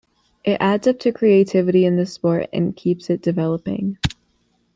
It adds up to creativity in this sport and keeps it developing.